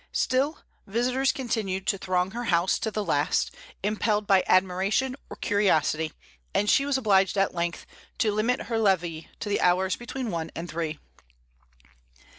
Still, visitors continued to throng her house to the last, impelled by admiration or curiosity; and she was obliged at length to limit her levee to the hours between one and three.